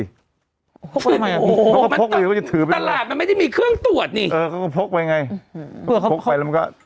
ตลาดมันไม่ได้มีเครื่องตรวจนี่เออเขาก็พกไปไง